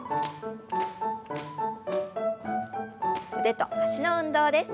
腕と脚の運動です。